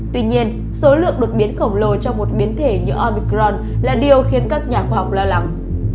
tuy nhiên số lượng đột biến khổng lồ cho một biến thể như obicron là điều khiến các nhà khoa học lo lắng